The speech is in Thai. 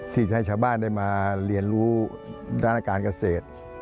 ที่จะให้ชาวบ้านได้มาเรียนรู้ด้านการเกษตร